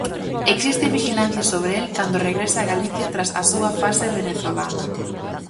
Existe vixilancia sobre el cando regresa a Galicia tras a súa fase venezolana.